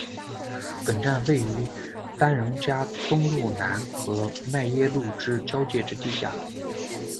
本站位处于丹戎加东路南和迈耶路之交界之地下。